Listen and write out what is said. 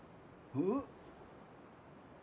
えっ？